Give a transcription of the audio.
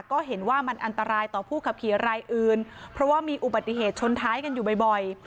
ก็เห็นว่ามันอันตรายต่อผู้ขับขี่รายอื่นเพราะว่ามีอุบัติเหตุชนท้ายกันอยู่บ่อย